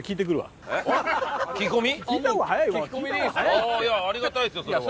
まあここは。いやありがたいですよそれは。